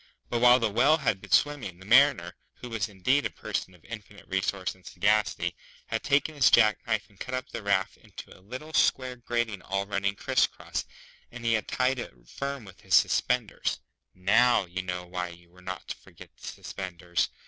But while the Whale had been swimming, the Mariner, who was indeed a person of infinite resource and sagacity, had taken his jack knife and cut up the raft into a little square grating all running criss cross, and he had tied it firm with his suspenders (now, you know why you were not to forget the suspenders!)